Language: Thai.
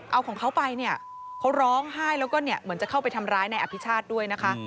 เอาของเขาไปเนี่ยเขาร้องไห้แล้วก็เนี่ยเหมือนจะเข้าไปทำร้ายนายอภิชาติด้วยนะคะ